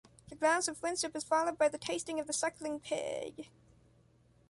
The glass of friendship is followed by the tasting of the suckling pig.